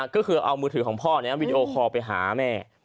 ก็คือเอามือถือของพ่อวิดีโอคอลไปหาแม่